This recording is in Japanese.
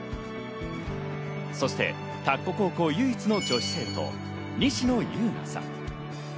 そして田子高校唯一の女子生徒・西野ユウナさん。